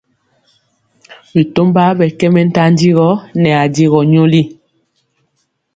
Bitomba ɓɛ kɛ mɛntanjigɔ nɛ ajegɔ nyoli.